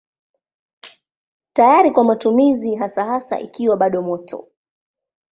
Tayari kwa matumizi hasa hasa ikiwa bado moto.